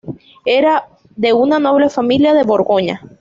Era de una noble familia de Borgoña.